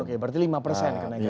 oke berarti lima persen